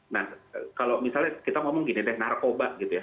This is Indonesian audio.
nah kalau misalnya kita ngomong gini deh narkoba gitu ya